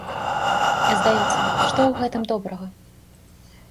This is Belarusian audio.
Здаецца, што ў гэтым добрага?